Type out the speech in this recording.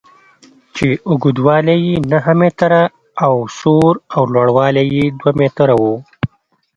چې اوږدوالی یې نهه متره او سور او لوړوالی یې دوه متره و.